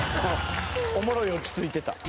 「おもろいオチついてた」